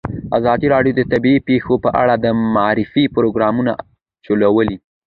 ازادي راډیو د طبیعي پېښې په اړه د معارفې پروګرامونه چلولي.